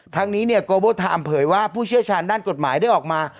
ทั้งนี้เนี่ยโกโบไทม์เผยว่าผู้เชี่ยวชาญด้านกฎหมายได้ออกมา